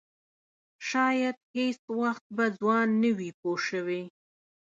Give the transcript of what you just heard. شاید هېڅ وخت به ځوان نه وي پوه شوې!.